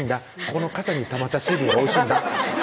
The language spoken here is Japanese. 「このかさにたまった水分がおいしいんだ」